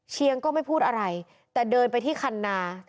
เชียงก็ไม่พูดอะไรแต่เดินไปที่คันนา